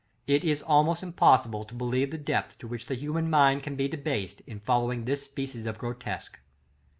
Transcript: It is almost impossible to believe the depth to which the human mind can be debased in following this species of grotesque.